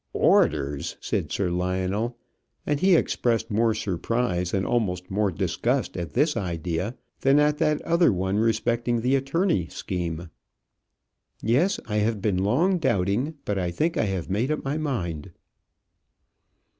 "Orders!" said Sir Lionel; and he expressed more surprise and almost more disgust at this idea than at that other one respecting the attorney scheme. "Yes; I have been long doubting; but I think I have made up my mind."